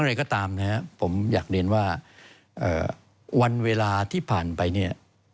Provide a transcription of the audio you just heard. อะไรก็ตามนะครับผมอยากเรียนว่าวันเวลาที่ผ่านไปเนี่ย